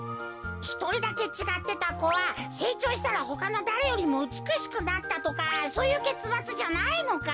ひとりだけちがってたこはせいちょうしたらほかのだれよりもうつくしくなったとかそういうけつまつじゃないのか？